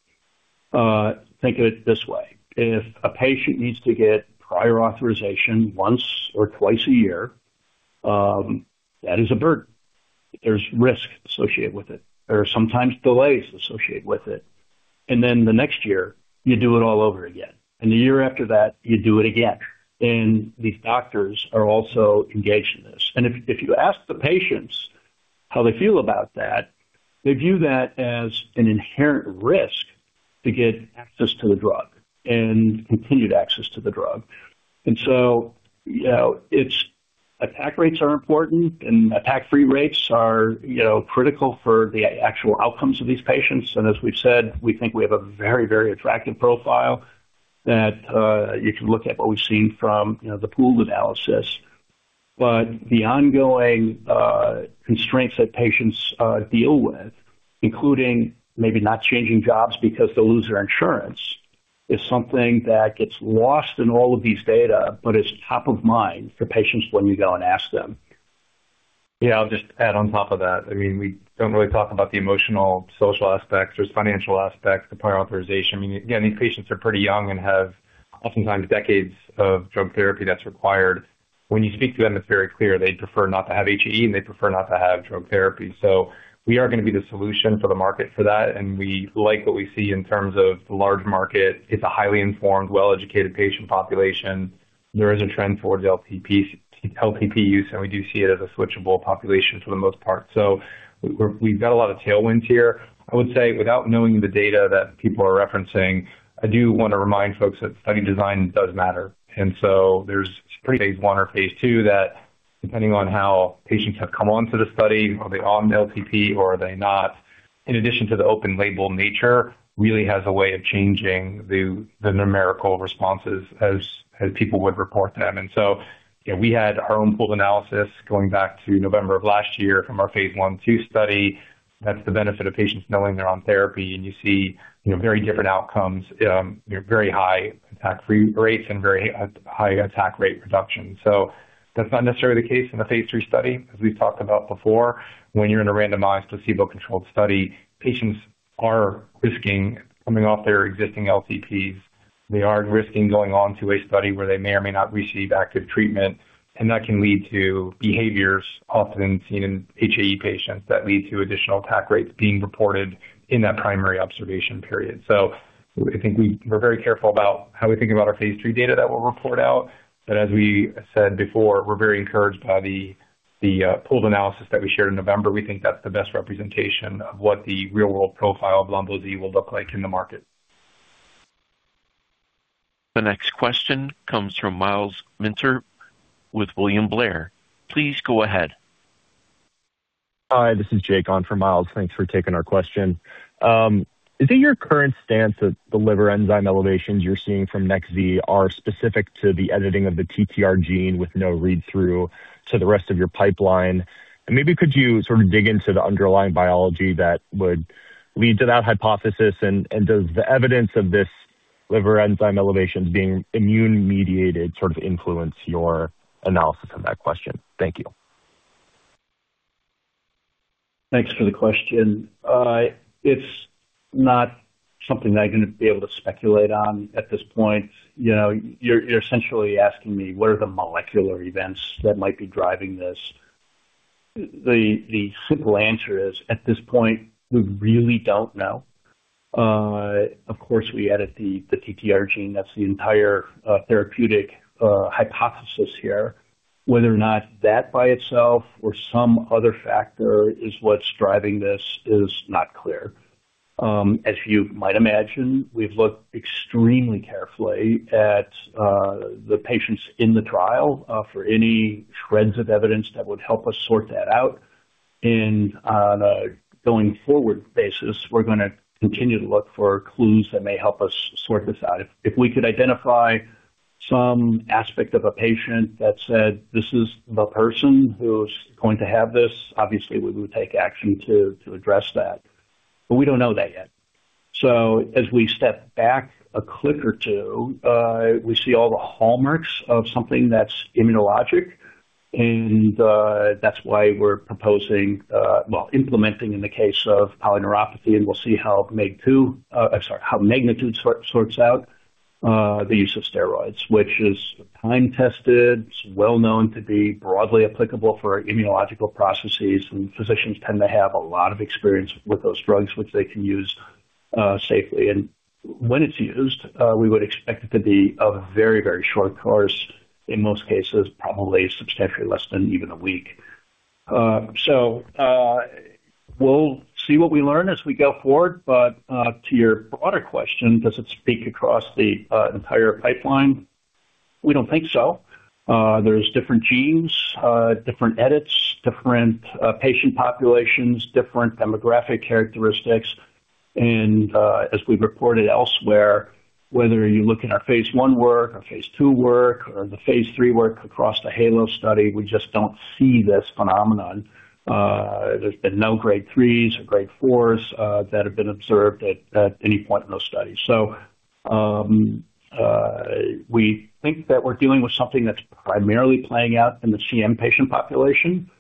Think of it this way, if a patient needs to get prior authorization once or twice a year, that is a burden. There's risk associated with it. There are sometimes delays associated with it. Then the next year, you do it all over again, and the year after that, you do it again. These doctors are also engaged in this. If you ask the patients how they feel about that, they view that as an inherent risk to get access to the drug and continued access to the drug. You know, it's attack rates are important, and attack-free rates are, you know, critical for the actual outcomes of these patients. As we've said, we think we have a very, very attractive profile that you can look at what we've seen from, you know, the pooled analysis. The ongoing constraints that patients deal with, including maybe not changing jobs because they'll lose their insurance, is something that gets lost in all of these data, but is top of mind for patients when you go and ask them. Yeah, I'll just add on top of that. I mean, we don't really talk about the emotional, social aspects. There's financial aspects to prior authorization. I mean, again, these patients are pretty young and have oftentimes decades of drug therapy that's required. When you speak to them, it's very clear they'd prefer not to have HAE, and they'd prefer not to have drug therapy. We are gonna be the solution for the market for that, and we like what we see in terms of the large market. It's a highly informed, well-educated patient population. There is a trend towards LNP use, and we do see it as a switchable population for the most part. We're, we've got a lot of tailwinds here. I would say, without knowing the data that people are referencing, I do want to remind folks that study design does matter. There's pre-phase 1 or phase 2, that depending on how patients have come on to the study, are they on LNP or are they not, in addition to the open label nature, really has a way of changing the numerical responses as people would report them. You know, we had our own pooled analysis going back to November of last year from our phase 1, 2 study. That's the benefit of patients knowing they're on therapy, and you see, you know, very different outcomes, you know, very high attack-free rates and very high attack rate reduction. That's not necessarily the case in a phase 3 study, as we've talked about before. When you're in a randomized, placebo-controlled study, patients are risking coming off their existing LTPs. They are risking going on to a study where they may or may not receive active treatment, and that can lead to behaviors often seen in HAE patients that lead to additional attack rates being reported in that primary observation period. I think we're very careful about how we think about our phase 3 data that we'll report out. As we said before, we're very encouraged by pooled analysis that we shared in November. We think that's the best representation of what the real-world profile of lonvo-z will look like in the market. The next question comes from Myles Minter with William Blair. Please go ahead. Hi, this is Jake on from Myles. Thanks for taking our question. Is it your current stance that the liver enzyme elevations you're seeing from nex-z are specific to the editing of the TTR gene with no read-through to the rest of your pipeline? Maybe could you sort of dig into the underlying biology that would lead to that hypothesis? Does the evidence of this liver enzyme elevations being immune-mediated sort of influence your analysis of that question? Thank you. Thanks for the question. It's not something that I'm going to be able to speculate on at this point. You know, you're essentially asking me what are the molecular events that might be driving this? The simple answer is, at this point, we really don't know. Of course, we edit the TTR gene. That's the entire therapeutic hypothesis here. Whether or not that by itself or some other factor is what's driving this is not clear. As you might imagine, we've looked extremely carefully at the patients in the trial for any threads of evidence that would help us sort that out. On a going-forward basis, we're gonna continue to look for clues that may help us sort this out. If we could identify some aspect of a patient that said, "This is the person who's going to have this," obviously we would take action to address that, but we don't know that yet. As we step back a click or two, we see all the hallmarks of something that's immunologic, and that's why we're proposing, well, implementing in the case of polyneuropathy, and we'll see how MAGE-2, sorry, how MAGNITUDE sorts out, the use of steroids, which is time-tested. It's well known to be broadly applicable for immunological processes, and physicians tend to have a lot of experience with those drugs, which they can use safely. When it's used, we would expect it to be a very, very short course, in most cases, probably substantially less than even a week. We'll see what we learn as we go forward. To your broader question, does it speak across the entire pipeline? We don't think so. There's different genes, different edits, different patient populations, different demographic characteristics. As we've reported elsewhere, whether you look at our phase one work or phase two work or the phase three work across the HAELO study, we just don't see this phenomenon. There's been no Grade threes or Grade fours that have been observed at any point in those studies. We think that we're dealing with something that's primarily playing out in the CM patient population.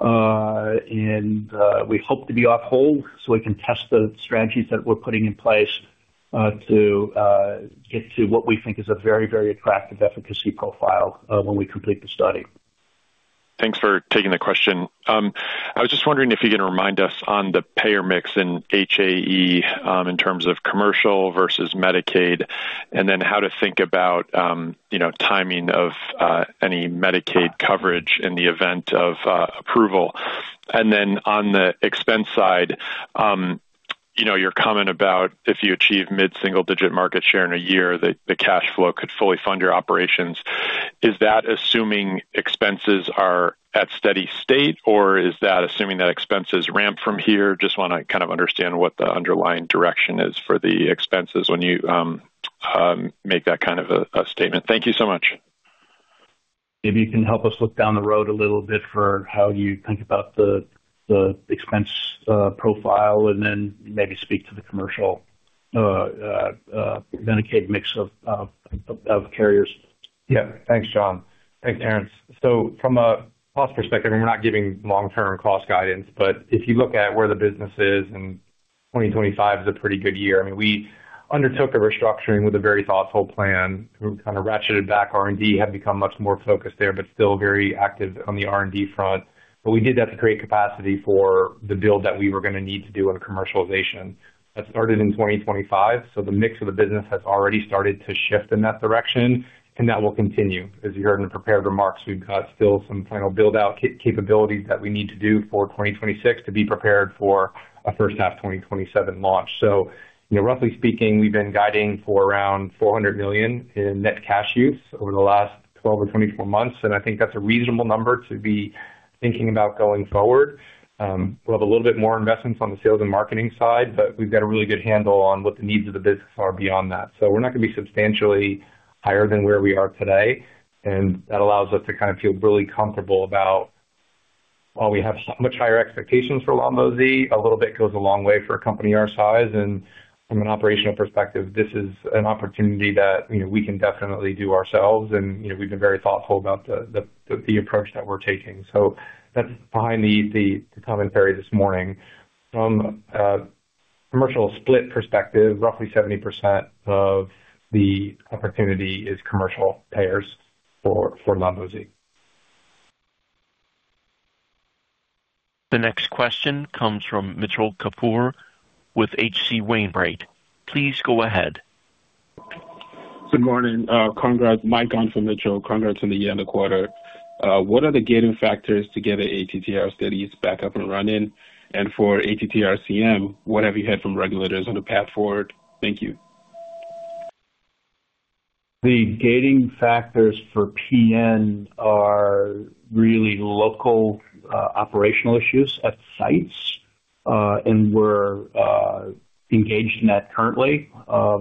We hope to be off hold so we can test the strategies that we're putting in place, to get to what we think is a very, very attractive efficacy profile, when we complete the study. Thanks for taking the question. I was just wondering if you can remind us on the payer mix in HAE, in terms of commercial versus Medicaid, then how to think about, you know, timing of any Medicaid coverage in the event of approval? Then on the expense side, you know, your comment about if you achieve mid-single-digit market share in a year, that the cash flow could fully fund your operations. Is that assuming expenses are at steady state, or is that assuming that expenses ramp from here? Just want to kind of understand what the underlying direction is for the expenses when you make that kind of a statement. Thank you so much. Maybe you can help us look down the road a little bit for how you think about the expense profile and then maybe speak to the commercial Medicaid mix of carriers. Yeah. Thanks, John. Thanks, Aaron. From a cost perspective, and we're not giving long-term cost guidance, but if you look at where the business is, and 2025 is a pretty good year. I mean, we undertook a restructuring with a very thoughtful plan. We kind of ratcheted back R&D, have become much more focused there, but still very active on the R&D front. We did that to create capacity for the build that we were gonna need to do on a commercialization. That started in 2025, so the mix of the business has already started to shift in that direction, and that will continue. As you heard in the prepared remarks, we've got still some final build-out capabilities that we need to do for 2026 to be prepared for a first half 2027 launch. Roughly speaking, we've been guiding for around $400 million in net cash use over the last 12 or 24 months, and I think that's a reasonable number to be thinking about going forward. We'll have a little bit more investments on the sales and marketing side, but we've got a really good handle on what the needs of the business are beyond that. We're not going to be substantially higher than where we are today, and that allows us to kind of feel really comfortable about. While we have much higher expectations for lonvo-z, a little bit goes a long way for a company our size, and from an operational perspective, this is an opportunity that, you know, we can definitely do ourselves. You know, we've been very thoughtful about the approach that we're taking. That's behind the commentary this morning. From a commercial split perspective, roughly 70% of the opportunity is commercial payers for lonvo-z. The next question comes from Mitchell Kapoor with H.C. Wainwright. Please go ahead. Good morning. Congrats. Mike on for Mitchell. Congrats on the year and the quarter. What are the gating factors to get the ATTR studies back up and running? For ATTR-CM, what have you heard from regulators on the path forward? Thank you. The gating factors for PN are really local, operational issues at sites, and we're engaged in that currently.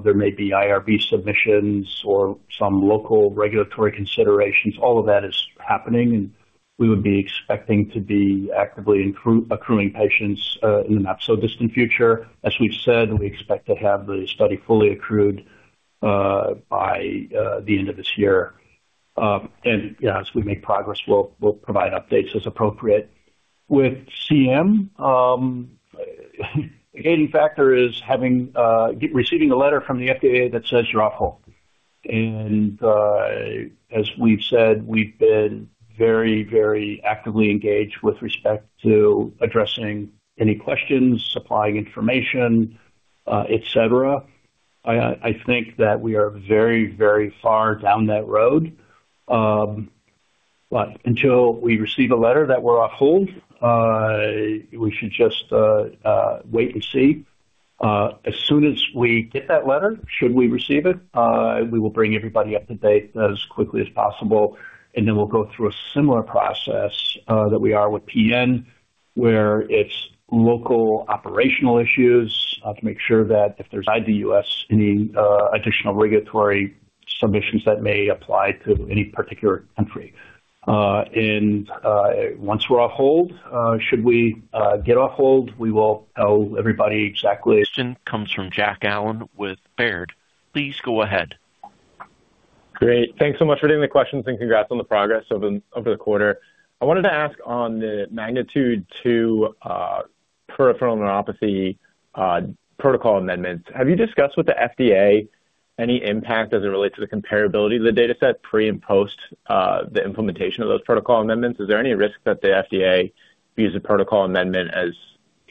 There may be IRB submissions or some local regulatory considerations. All of that is happening, and we would be expecting to be actively accruing patients in the not-so-distant future. As we've said, we expect to have the study fully accrued by the end of this year. And, yeah, as we make progress, we'll provide updates as appropriate. With CM, the gating factor is having receiving a letter from the FDA that says you're off hold. And, as we've said, we've been very, very actively engaged with respect to addressing any questions, supplying information, et cetera. I think that we are very, very far down that road. Until we receive a letter that we're off hold, we should just wait and see. As soon as we get that letter, should we receive it, we will bring everybody up to date as quickly as possible, and then we'll go through a similar process that we are with PN, where it's local operational issues, to make sure that if there's, outside the U.S., any additional regulatory submissions that may apply to any particular country. Once we're off hold, should we get off hold, we will tell everybody exactly comes from Jack Allen with Baird. Please go ahead. Great. Thanks so much for taking the questions, and congrats on the progress over the quarter. I wanted to ask on the MAGNITUDE-2 peripheral neuropathy protocol amendments. Have you discussed with the FDA any impact as it relates to the comparability of the dataset pre- and post- the implementation of those protocol amendments? Is there any risk that the FDA views the protocol amendment as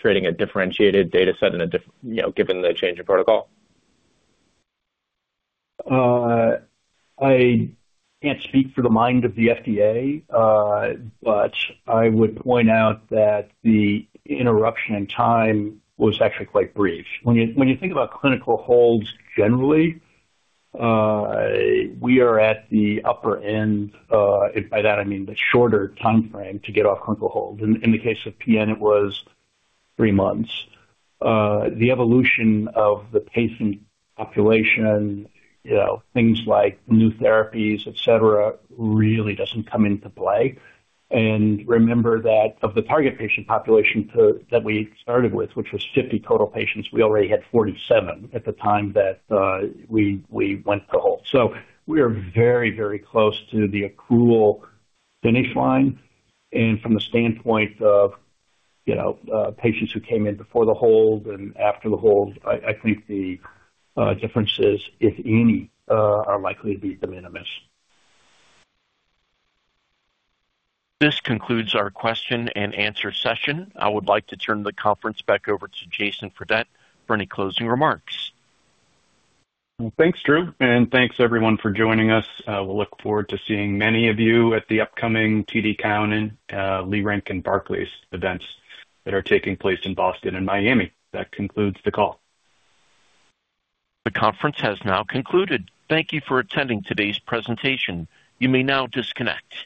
creating a differentiated dataset, you know, given the change in protocol? I can't speak for the mind of the FDA, but I would point out that the interruption in time was actually quite brief. When you think about clinical holds, generally, we are at the upper end, by that I mean, the shorter timeframe to get off clinical hold. In the case of PN, it was 3 months. The evolution of the patient population, you know, things like new therapies, et cetera, really doesn't come into play. Remember that of the target patient population that we started with, which was 50 total patients, we already had 47 at the time that we went to hold. we are very, very close to the accrual finish line, and from the standpoint of, you know, patients who came in before the hold and after the hold, I think the differences, if any, are likely to be de minimis. This concludes our question-and-answer session. I would like to turn the conference back over to Jason Fredette for any closing remarks. Well, thanks, Drew, and thanks, everyone, for joining us. We'll look forward to seeing many of you at the upcoming TD Cowen, Leerink and Barclays events that are taking place in Boston and Miami. That concludes the call. The conference has now concluded. Thank you for attending today's presentation. You may now disconnect.